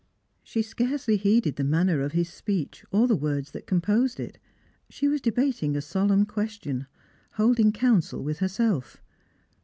She scarcely heeded the manner of his speech or the words that composed it. She was debating a solemn question ; hold ing counsel with herself.